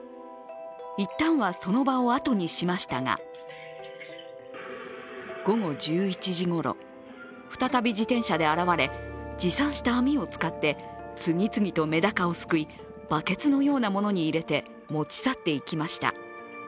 一旦はその場所をあとにしましたが、午後１１時ごろ、再び自転車で現れ持参した網を使って次々とメダカをすくい、バケツのようなものに入れて持ち去っていきました。